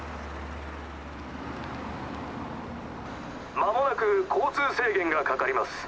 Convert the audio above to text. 間もなく交通制限がかかります。